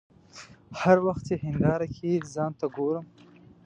هر وخت چې هنداره کې ځان ته ګورم.